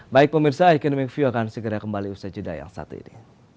baik pemirsa economic view akan segera kembali usai jeda yang satu ini